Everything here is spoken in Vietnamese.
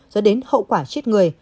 do đến hậu quả chết người